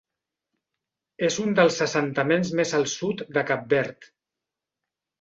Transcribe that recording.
És un dels assentaments més al sud de Cap Verd.